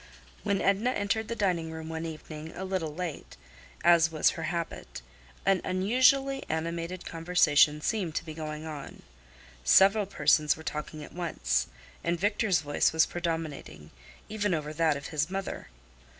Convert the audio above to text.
XV When Edna entered the dining room one evening a little late, as was her habit, an unusually animated conversation seemed to be going on. Several persons were talking at once, and Victor's voice was predominating, even over that of his mother.